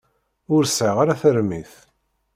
Ur sɛiɣ ara tarmit.